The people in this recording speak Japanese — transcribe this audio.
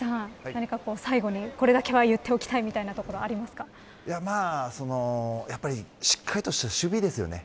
何か最後に、これだけは言っておきたいみたいなところしっかりとした守備ですよね。